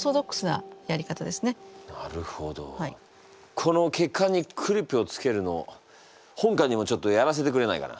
この血管にクリップをつけるの本官にもちょっとやらせてくれないかな？